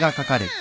あ！